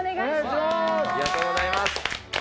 ありがとうございます。